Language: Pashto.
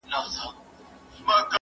که وخت وي لاس پرېولم